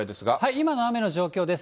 今の雨の状況です。